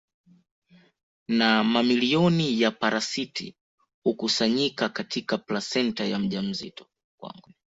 Na mamilioni ya parasiti hukusanyika katika plasenta ya mjamzito